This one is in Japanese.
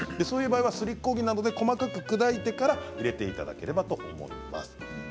そういう場合はすりこ木などで細かく砕いてから入れていただければと思います。